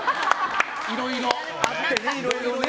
いろいろあってね。